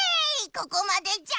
ここまでじゃ！